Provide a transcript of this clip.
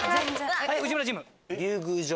はい内村チーム。